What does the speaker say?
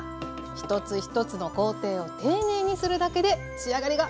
一つ一つの工程を丁寧にするだけで仕上がりが見違えます！